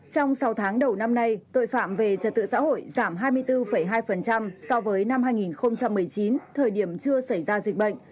trong sáu tháng đầu năm nay tội phạm về trật tự xã hội giảm hai mươi bốn hai so với năm hai nghìn một mươi chín thời điểm chưa xảy ra dịch bệnh